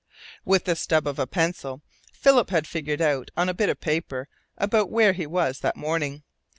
With the stub of a pencil Philip had figured out on a bit of paper about where he was that morning.